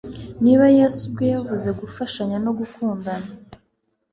niba yesu ubwe yavuze gufashanya no gukundana